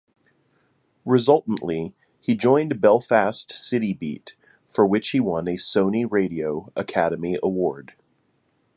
Resultantly he joined Belfast CityBeat, for which he won a Sony Radio Academy Award.